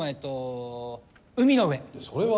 それは。